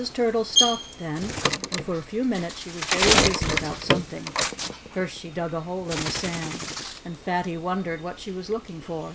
Turtle stopped then; and for a few minutes she was very busy about something. First she dug a hole in the sand. And Fatty wondered what she was looking for.